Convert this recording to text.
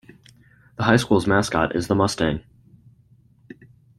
The high school's mascot is the Mustang.